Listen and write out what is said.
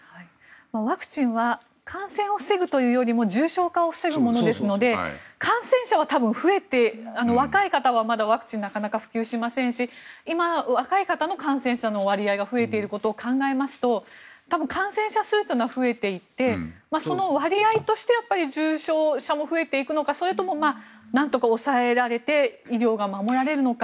ワクチンは感染を防ぐというよりも重症化を防ぐものですので感染者は多分、増えて若い方はワクチンまだなかなか普及しませんし今、若い方の感染者の割合が増えていることを考えますと多分、感染者数というのは増えていってその割合として重症者も増えていくのかそれともなんとか抑えられて医療が守られるのか。